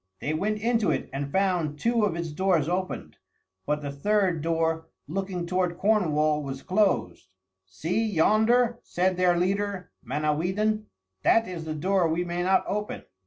They went into it and found two of its doors open, but the third door, looking toward Cornwall, was closed. "See yonder," said their leader Manawydan; "that is the door we may not open."